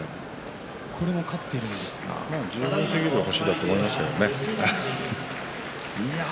十分すぎる力だと思いますけどね。